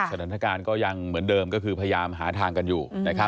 สถานการณ์ก็ยังเหมือนเดิมก็คือพยายามหาทางกันอยู่